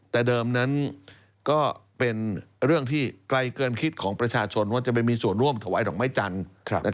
แต่เดิมนั้นก็เป็นเรื่องที่ไกลเกินคิดของประชาชนว่าจะไปมีส่วนร่วมถวายดอกไม้จันทร์